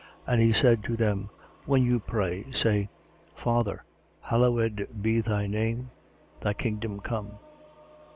11:2. And he said to them: When you pray, say: Father, hallowed be thy name. Thy kingdom come.